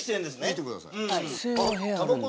見てください。